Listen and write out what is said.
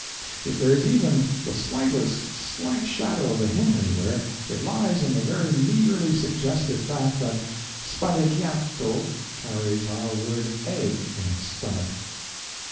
If there is even the slightest slight shadow of a hint anywhere, it lies in the very meagerly suggestive fact that "spalleggiato" carries our word "egg" in its stomach.